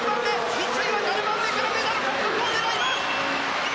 三井は７番目からメダルを狙います。